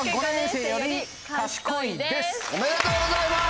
おめでとうございます！